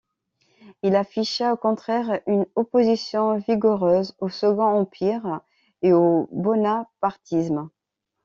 Il afficha au contraire une opposition vigoureuse au Second Empire et au bonapartisme.